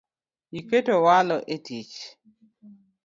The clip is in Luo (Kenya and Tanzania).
Iketo walo e tich